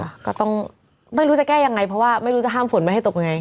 ก็ต้องไม่รู้จะแก้ยังไงเพราะว่าไม่รู้จะห้ามฝนไม่ให้ตกยังไง